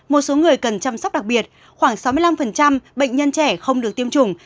một số người cần chăm sóc đặc biệt khoảng sáu mươi năm bệnh nhân trẻ không được tiêm chủng